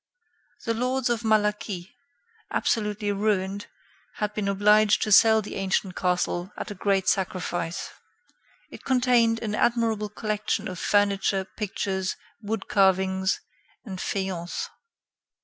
The lords of Malaquis, absolutely ruined, had been obliged to sell the ancient castle at a great sacrifice. It contained an admirable collection of furniture, pictures, wood carvings, and faience.